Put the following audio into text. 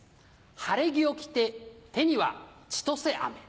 晴れ着を着て手には千歳アメ。